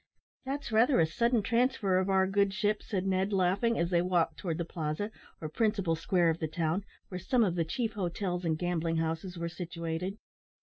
"That's rather a sudden transfer of our good ship," said Ned, laughing, as they walked towards the Plaza, or principal square of the town, where some of the chief hotels and gambling houses were situated.